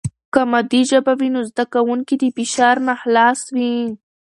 که مادي ژبه وي، نو زده کوونکي د فشار نه خلاص وي.